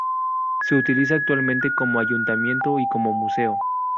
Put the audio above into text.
Se utiliza actualmente como ayuntamiento y como museo.